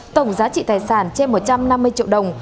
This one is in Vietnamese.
tổng giá trị tài sản trên một trăm năm mươi triệu đồng